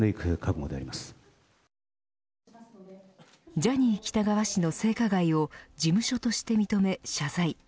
ジャニー喜多川氏の性加害を事務所として認め謝罪。